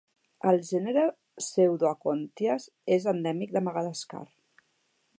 El gènere 'Pseudoacontias' és endèmic de Madagascar.